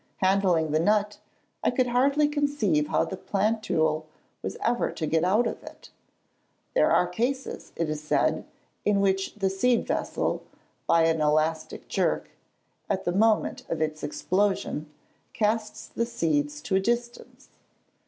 Handling the nut, I could hardly conceive how the plantule was ever to get out of it. There are cases, it is said, in which the seed vessel, by an elastic jerk, at the moment of its explosion, casts the seeds to a distance.